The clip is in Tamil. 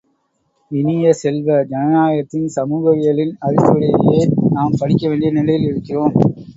இனிய செல்வ, ஜனநாயகத்தின் சமூகவியலின் அரிச்சுவடியையே நாம் படிக்க வேண்டிய நிலையில் இருக்கிறோம்.